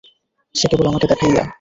সে কেবল আমাকে দেখাইয়া।